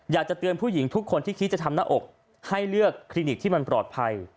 อยากจะเตือนผู้หญิงทุกคนที่คิดจะทำหน้าอกให้เลือกคลินิกที่มันปลอดภัย